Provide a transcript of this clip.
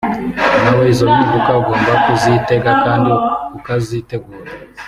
nawe izo mpinduka ugomba kuzitega kandi ukazitegura